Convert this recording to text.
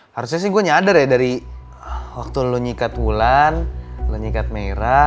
harusnya sih gue nyadar ya dari waktu lo nyikat bulan lo nyikat merah